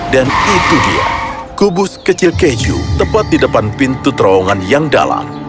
dan itu dia kubus kecil keju tepat di depan pintu terowongan yang dalam